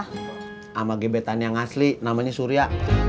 sama gebetan yang asli namanya surya